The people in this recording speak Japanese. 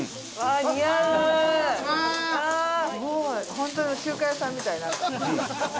本当の中華屋さんみたいなんか。